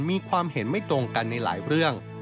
มีความเห็นไม่ตรงกันในหลายเรื่อง